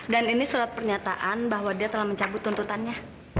dan ini surat pernyataan bahwa dia telah mencabut tuntutannya